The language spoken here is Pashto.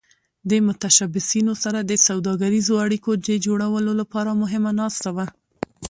د متشبثینو سره د سوداګریزو اړیکو د جوړولو لپاره مهمه ناسته وه.